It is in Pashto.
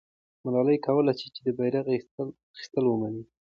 ملالۍ کولای سوای چې د بیرغ اخیستل ومني.